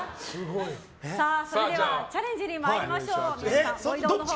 それではチャレンジに参りましょう。